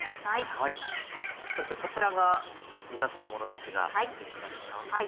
そしてこちらが煮立てたものですが先生いかがですか。